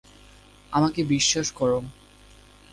আমাকে বিশ্বাস করো।